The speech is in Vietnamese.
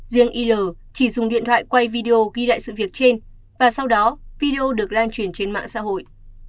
riêng il chỉ dùng điện thoại quay video ghi lại sự việc trên và sau đó video được lan truyền trên mạng xã hội